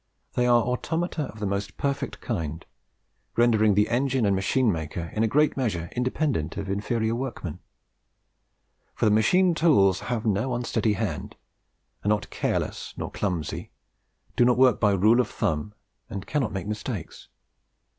They are automata of the most perfect kind, rendering the engine and machine maker in a great measure independent of inferior workmen. For the machine tools have no unsteady hand, are not careless nor clumsy, do not work by rule of thumb, and cannot make mistakes.